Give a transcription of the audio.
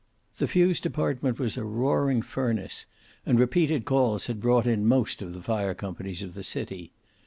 The fuse department was a roaring furnace, and repeated calls had brought in most of the fire companies of the city.